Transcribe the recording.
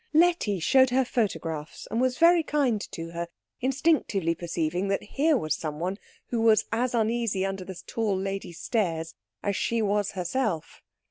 Letty showed her photographs and was very kind to her, instinctively perceiving that here was someone who was as uneasy under the tall lady's stares as she was herself.